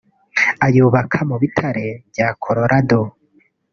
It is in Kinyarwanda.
ayubaka mu bitare bya Colorado